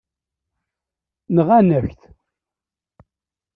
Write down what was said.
Nɣan-ak-t.